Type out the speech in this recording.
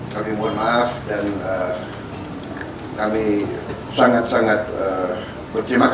kami mohon maaf dan kami sangat sangat berterima kasih